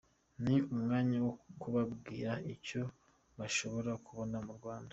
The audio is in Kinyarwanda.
Ni umwanya wo kubabwira icyo bashobora kubona mu Rwanda.”